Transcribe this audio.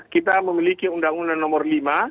kita memiliki undang undang nomor lima